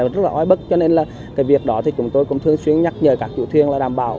rất là oi bức cho nên là cái việc đó thì chúng tôi cũng thường xuyên nhắc nhở các chủ thuyền là đảm bảo